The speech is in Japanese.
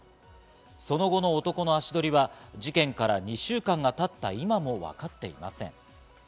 その後の男の足取りは事件から２週間が経った今もわかっていません。